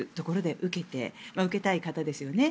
受けたい方ですよね。